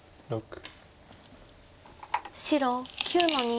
白９の二。